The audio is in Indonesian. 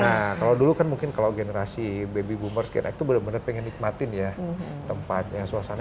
nah kalau dulu kan mungkin kalau generasi baby boomerskin actu benar benar pengen nikmatin ya tempatnya suasana